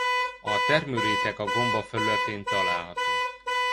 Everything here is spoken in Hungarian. A termőréteg a gomba felületén található.